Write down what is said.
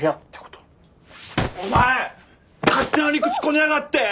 お前勝手な理屈こねやがって！